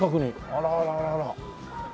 あらあらあらあら。